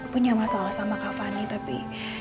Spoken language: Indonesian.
punya masalah sama kak fani tapi